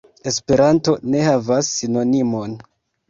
Esperanto ne havas sinonimon.